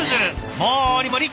もりもり！